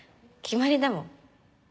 決まりだもん。